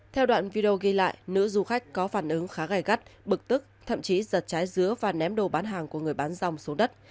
theo đoạn video ghi lại nữ du khách có phản ứng khá gai gắt bực tức thậm chí giật trái dứa và ném đồ bán hàng của người bán dòng xuống đất